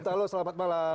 terima kasih selamat malam